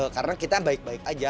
karena kita baik baik aja